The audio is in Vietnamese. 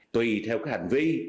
tùy theo cái hành vi